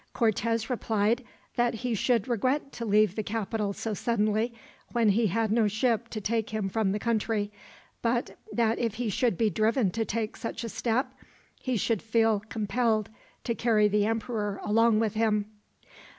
Cortez replied that he should regret to leave the capital so suddenly, when he had no ship to take him from the country; but that if he should be driven to take such a step, he should feel compelled to carry the emperor along with him.